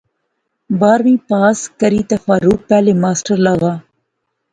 بارہویں پاس کری تے فاروق پہلے ماسٹر لاغا